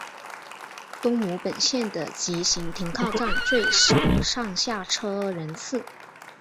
东武本线的急行停靠站最少上下车人次。